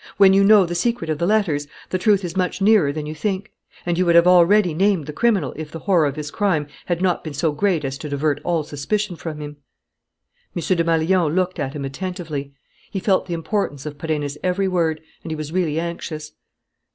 When you know the secret of the letters, the truth is much nearer than you think; and you would have already named the criminal if the horror of his crime had not been so great as to divert all suspicion from him." M. Desmalions looked at him attentively. He felt the importance of Perenna's every word and he was really anxious.